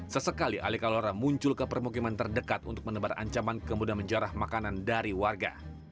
sesekali alikalora muncul ke permukiman terdekat untuk menebar ancaman kemudah menjarah makanan dari warga